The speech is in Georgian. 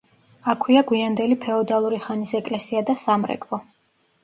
აქვეა გვიანდელი ფეოდალური ხანის ეკლესია და სამრეკლო.